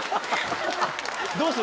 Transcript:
どうする？